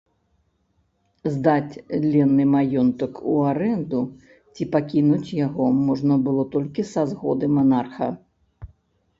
Здаць ленны маёнтак у арэнду ці пакінуць яго можна было толькі са згоды манарха.